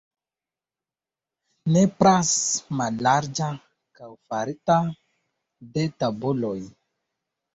Nepras mallarĝa kajo farita de tabuloj.